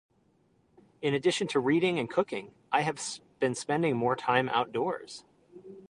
In addition to reading and cooking, I have been spending more time outdoors.